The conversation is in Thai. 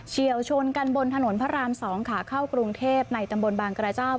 เชี่ยวชนกันบนถนนพระราม๒ขาเข้ากรุงเทพในตำบลบางกระเจ้า